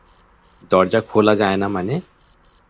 দরজা খোলা যায় না মানে?